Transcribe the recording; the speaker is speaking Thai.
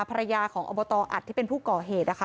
ภรรยาของอบตอัดที่เป็นผู้ก่อเหตุนะคะ